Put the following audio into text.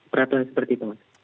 peraturan seperti itu mas